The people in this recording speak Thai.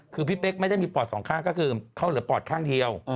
คือพี่เป๊กไม่ได้มีปอดสองข้างก็คือเขาเหลือปอดข้างเดียว